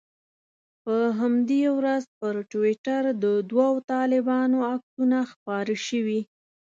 په همدې ورځ پر ټویټر د دوو طالبانو عکسونه خپاره شوي.